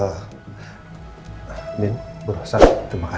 apakah kita bisa bicara sebentar